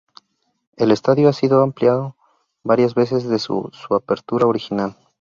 El estadio ha sido ampliado varias veces desde su apertura original.